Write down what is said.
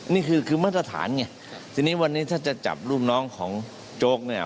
นี่คือคือมาตรฐานไงทีนี้วันนี้ถ้าจะจับลูกน้องของโจ๊กเนี่ย